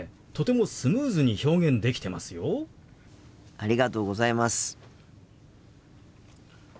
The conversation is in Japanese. ありがとうございます。